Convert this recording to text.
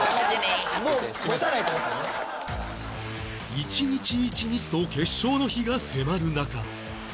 一日一日と決勝の日が迫る中